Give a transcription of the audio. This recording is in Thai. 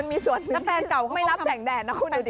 มีส่วนแฟนเก่าเขาไม่รับแสงแดดนะคุณดูดิ